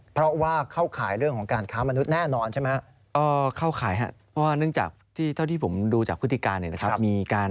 เพราะว่าเข้าข่ายเรื่องของการค้ามนุษย์แน่นอนใช่ไหมครับ